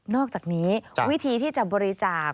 อกจากนี้วิธีที่จะบริจาค